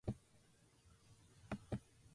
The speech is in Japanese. それは「ペレヴォッチクはポドリャッチクの誤植」というので、